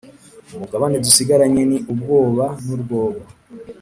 umugabane dusigaranye ni ubwoba n’urwobo,